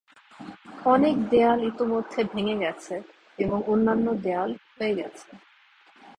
অনেক দেয়াল ইতোমধ্যে ভেঙ্গে গেছে এবং অন্যান্য দেয়াল ক্ষয়ে গেছে।